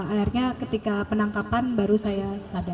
akhirnya ketika penangkapan baru saya sadar